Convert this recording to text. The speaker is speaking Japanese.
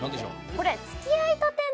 これ。